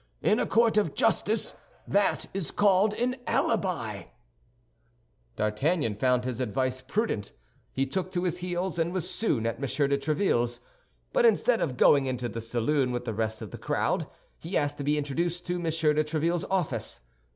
In a court of justice that is called an alibi." D'Artagnan found his advice prudent. He took to his heels, and was soon at M. de Tréville's; but instead of going into the saloon with the rest of the crowd, he asked to be introduced to M. de Tréville's office.